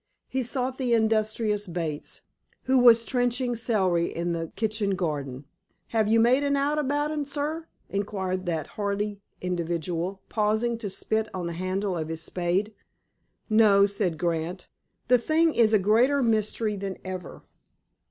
He sought the industrious Bates, who was trenching celery in the kitchen garden. "Have 'ee made out owt about un, sir?" inquired that hardy individual, pausing to spit on the handle of his spade. "No," said Grant. "The thing is a greater mystery than ever."